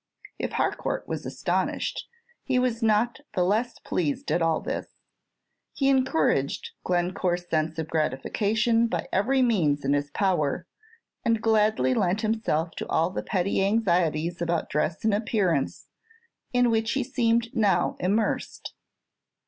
If Harcourt was astonished, he was not the less pleased at all this. He encouraged Glencore's sense of gratification by every means in his power, and gladly lent himself to all the petty anxieties about dress and appearance in which he seemed now immersed.